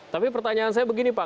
tapi pertanyaan saya begini pak